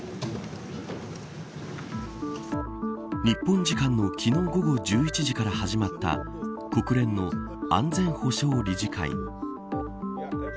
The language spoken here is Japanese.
日本時間の昨日午後１１時から始まった国連の安全保障理事会。